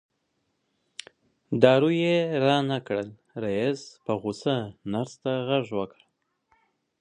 دارو یې رانه کړل رئیس په غوسه نرس ته غږ کړ.